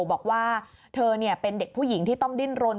บอกว่าเธอเป็นเด็กผู้หญิงที่ต้องดิ้นรน